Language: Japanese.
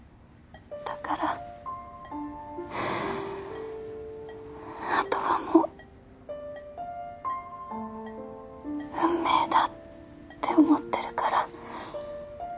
だから後はもう運命だって思ってるから。